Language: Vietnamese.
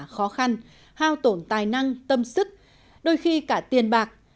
khó khăn hao tổn tài năng tâm sức đôi khi cả tiền bạc